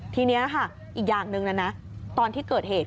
ทีนี้ค่ะอีกอย่างหนึ่งนะนะตอนที่เกิดเหตุ